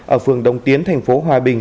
ở phường đông tiến thành phố hòa bình